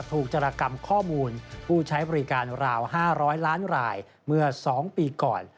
จรกรรมข้อมูลผู้ใช้บริการราว๕๐๐ล้านรายเมื่อ๒ปีก่อน